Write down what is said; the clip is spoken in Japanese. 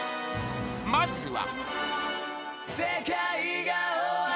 ［まずは］